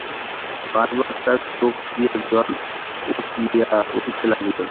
বার বার তাঁর চোখ দিয়া জল উছলিয়া উঠিতে লাগিল।